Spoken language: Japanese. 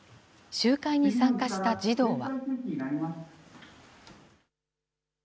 集会に参加した児童は。